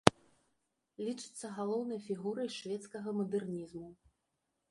Лічыцца галоўнай фігурай шведскага мадэрнізму.